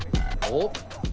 おっ。